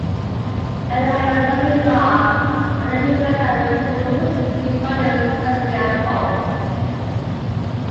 After having studied law at the University of Toulouse he practised successfully at Pau.